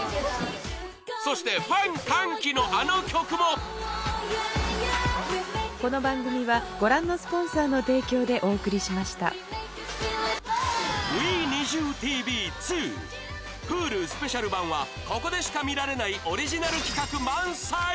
・そしてファン歓喜のあの曲も『ＷｅＮｉｚｉＵ！ＴＶ２』Ｈｕｌｕスペシャル版はここでしか見られないオリジナル企画満載！